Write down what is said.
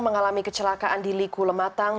mengalami kecelakaan di liku lematang